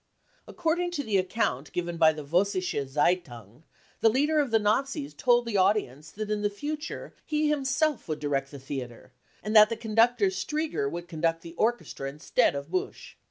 According to the account given by the Vossische %eitung, the leader of the Nazis told the audience that in future he himself would direct the theatre, and that the conductor Strieger would conduct the orchestra instead of Busch.